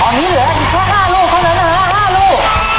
อันนี้อีกเท่าห้ารุ่วค่ะหลังจากห้ารุ่ว